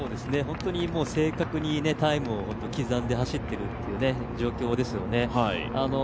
正確にタイムを刻んで走っているという状況ですよね。